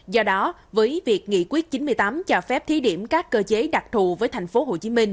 do đó với việc nghị quyết chín mươi tám cho phép thí điểm các cơ chế đặc thù với tp hcm